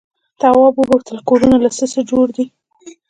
تواب وپوښتل کورونه له څه جوړ دي؟